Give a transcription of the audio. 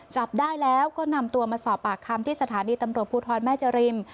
จับได้แล้วก็นำตัวมาสอบปากคำที่สถานีตำรวจภูทรแม่จริม